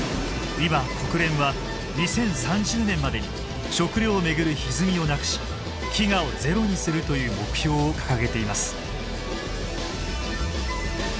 今国連は２０３０年までに食料を巡るひずみをなくし飢餓をゼロにするという目標を掲げています。